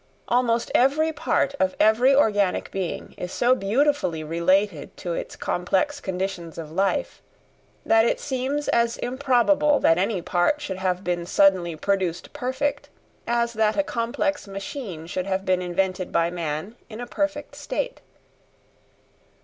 Almost every part of every organic being is so beautifully related to its complex conditions of life that it seems as improbable that any part should have been suddenly produced perfect, as that a complex machine should have been invented by man in a perfect state.